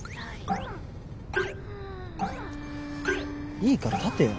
いいから立てよ。